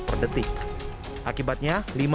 per detik akibatnya